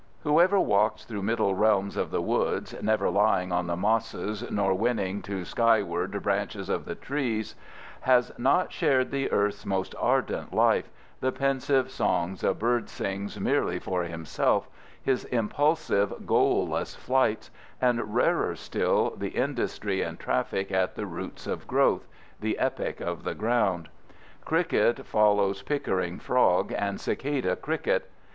Whoever walks through middle realms of the woods, never lying on the mosses nor winning to skyward branches of the trees, has not shared the earth's most ardent life—the pensive songs a bird sings merely for himself; his impulsive, goalless flights; and rarer still the industry and traffic at the roots of growth: the epic of the ground. Cricket follows pickering frog and cicada cricket.